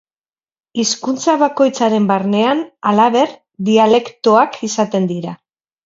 Hizkuntza bakoitzaren barnean, halaber, dialektoak izaten dira.